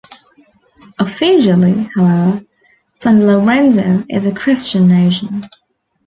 Officially, however, San Lorenzo is a Christian nation.